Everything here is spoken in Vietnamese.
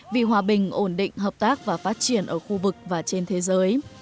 và phát triển ở khu vực và trên thế giới